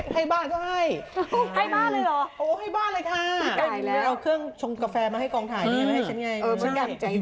ให้บ้านเลยหรอค่ะเราเอาเครื่องชงกาแฟมาให้กองถ่ายเลยให้ฉันไง